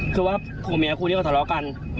คือว่าผู้เมียคุยกับทะเลาะกัน